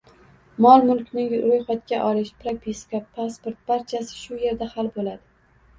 Mol-mulkni roʻyxatga olish, propiska, pasport — barchasi shu yerda hal boʻladi.